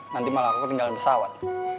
nanti malah aku tinggal di pesawat